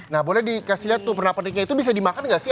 nah boleh dikasih lihat tuh pernak perniknya itu bisa dimakan nggak sih